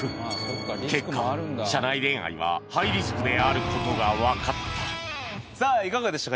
結果社内恋愛はハイリスクである事がわかったさあいかがでしたか？